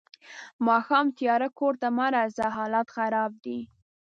ماښام تیارۀ کور ته مه راځه حالات خراب دي.